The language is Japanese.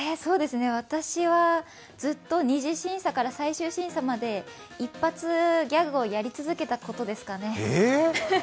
私はずっと２次審査から最終審査まで一発ギャグをやり続けたことですかね。